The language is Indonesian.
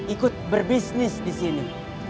ikut berbisnis disini